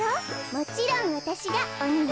もちろんわたしがおにね。